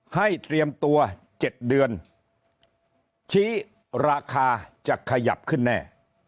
เตรียมตัว๗เดือนชี้ราคาจะขยับขึ้นแน่